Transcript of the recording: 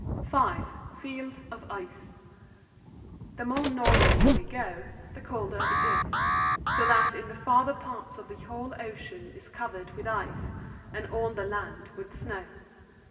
5 . Fields of Ice . The more northerly we go, the colder it is; so that in the farther parts the whole ocean is covered with ice, and all the land with snow.